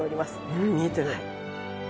うん見えてる。